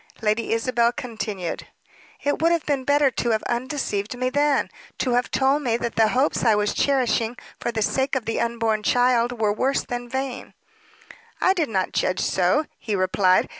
Lady Isabel continued, "It would have been better to have undeceived me then; to have told me that the hopes I was cherishing for the sake of the unborn child were worse than vain." "I did not judge so," he replied.